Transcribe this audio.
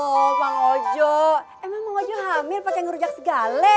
emang mang ojo hamil pakai ngerujak segale